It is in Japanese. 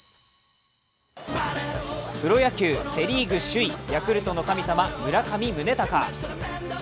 プロ野球、セ・リーグ首位ヤクルトの神様、村上宗隆。